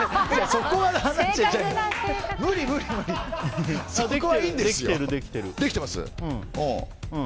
そこはいいんですよ。